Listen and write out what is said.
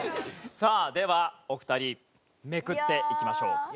さあではお二人めくっていきましょう。